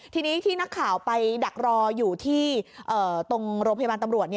ทีนี้ที่นักข่าวไปดักรออยู่ที่ตรงโรงพยาบาลตำรวจ